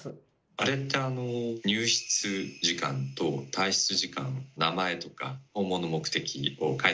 あれって入室時間と退室時間名前とか訪問の目的を書いたりしますよね。